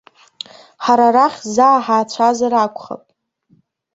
Ҳара арахь заа ҳаацәазар акәхап.